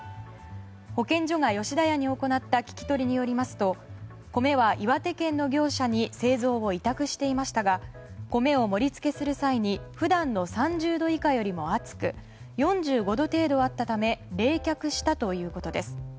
保健所が吉田屋に行った聞き取りによりますと米は岩手県の業者に製造を委託していましたが米を盛りつけする際に普段の３０度以下よりも熱く４５度程度あったため冷却したということです。